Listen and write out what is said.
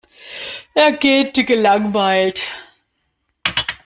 Er gähnte gelangweilt.